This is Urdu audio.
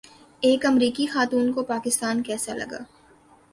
ایک امریکی خاتون کو پاکستان کیسا لگا